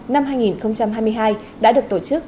năm hai nghìn hai mươi hai đã được tổ chức